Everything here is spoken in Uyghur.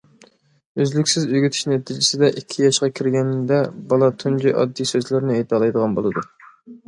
ئۈزلۈكسىز ئۆگىتىش نەتىجىسىدە ئىككى ياشقا كىرگەندە بالا تۇنجى ئاددىي سۆزلەرنى ئېيتالايدىغان بولىدۇ.